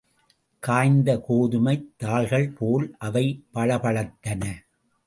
காய்ந்த கோதுமைத் தாள்கள் போல் அவை பளபளத்தன.